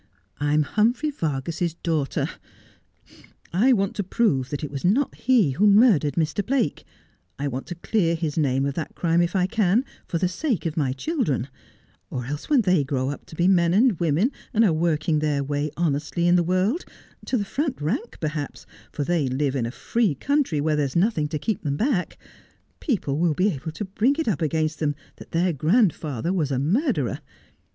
I am Hum phrey Vargas's daughter. I want to prove that it was not he who murdered Mr. Blake. I want to clear his name of that crime if I can, for the sake of my children ; or else when they grow up to be men and women and are working their way honestly in the world — to the front rank perhaps, for they live in a free country where there is nothing to keep them back — people will be able to bring it up against them that their fandfather was a murderer.